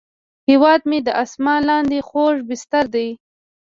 هیواد مې د اسمان لاندې خوږ بستر دی